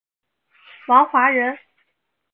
王华人。